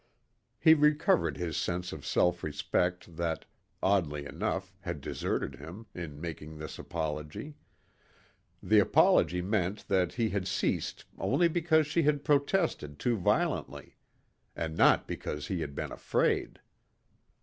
He recovered his sense of self respect that, oddly enough, had deserted him, in making this apology. The apology meant that he had ceased only because she had protested too violently. And not because he had been afraid.